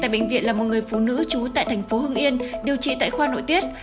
tại bệnh viện là một người phụ nữ trú tại thành phố hưng yên điều trị tại khoa nội tiết